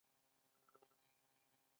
که ملګري رښتیني وي، نو اړیکه به ټینګه شي.